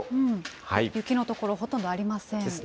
雪の所、ほとんどありません。ですね。